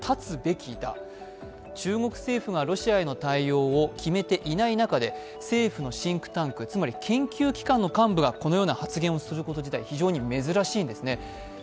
中国政府がロシアへの対応を決めていない中で政府のシンクタンク、つまり研究機関の幹部がこのような発言をのすること自体非常に珍しいんですね。